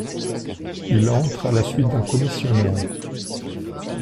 Il entre à la suite d’un commissionnaire.